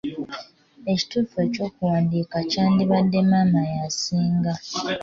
Ekituufu eky'okuwandiika kyandibadde maama y'asinga.